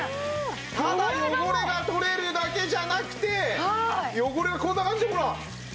ただ汚れが取れるだけじゃなくて汚れがこんな感じにほら！